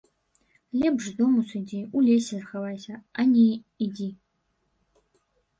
Лепш з дому сыдзі, у лесе захавайся, а не ідзі.